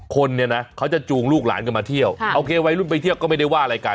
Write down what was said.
คนเนี่ยนะเขาจะจูงลูกหลานกันมาเที่ยวโอเควัยรุ่นไปเที่ยวก็ไม่ได้ว่าอะไรกัน